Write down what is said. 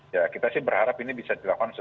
ya kita sih berharap ini bisa dilakukan